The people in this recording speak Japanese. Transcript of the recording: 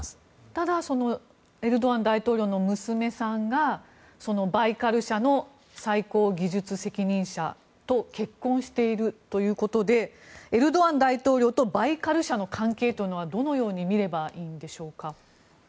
ただ、エルドアン大統領の娘さんがバイカル社の最高技術責任者と結婚しているということでエルドアン大統領とバイカル社の関係というのはどのようにみればいいんでしょうか。